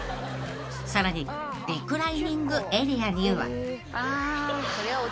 ［さらにリクライニングエリアには］あ。